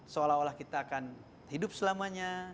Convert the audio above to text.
seolah olah kita akan hidup selamanya